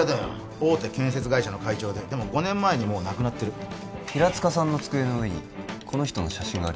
大手建設会社の会長ででも５年前にもう亡くなってる平塚さんの机の上にこの人の写真がありましたよマジで！？